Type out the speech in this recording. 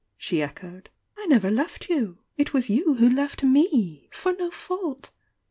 she echoed— "I never left you! It was you who left me.'— for no fault!